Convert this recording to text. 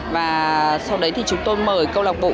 và sau đấy thì chúng tôi sẽ đặt bản thân cho các bạn